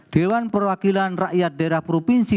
dewan perwakilan rakyat daerah provinsi